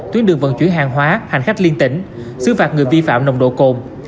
tuyến đường vận chuyển hàng hóa hành khách liên tỉnh xứ phạt người vi phạm nồng độ cồn